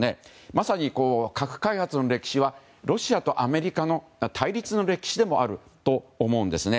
まさに核開発の歴史はロシアとアメリカの対立の歴史でもあると思うんです。